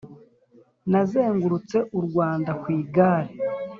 Nazengurutse u Rwanda kwigare